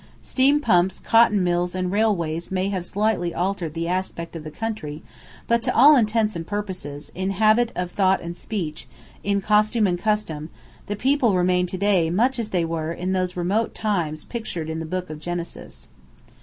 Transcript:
Steam pumps, cotton mills, and railways may have slightly altered the aspect of the country, but to all intents and purposes, in habit of thought and speech, in costume and customs, the people remain to day much as they were in those remote times pictured in the Book of Genesis.